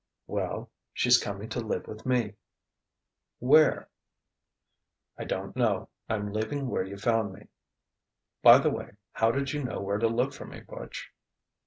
"Well ... she's coming to live with me " "Where?" "I don't know. I'm leaving where you found me. By the way, how did you know where to look for me, Butch?"